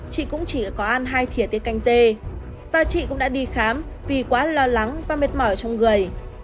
chị cũng chỉ có ăn hai tiể tế canh dê và chị cũng đã đi khám vì quá lo lắng và mệt mỏi trong người